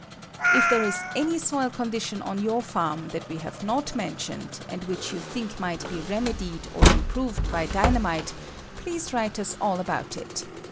If there is any soil condition on your farm that we have not mentioned, and which you think might be remedied or improved by dynamite, please write us all about it.